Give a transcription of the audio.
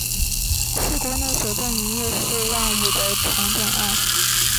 是国内首件营业式让与的重整案。